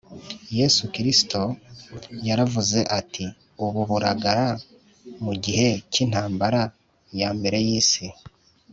Yesu Kristo yaravuze ati ubu buragara mu gihe cy Intambara ya Mbere y Isi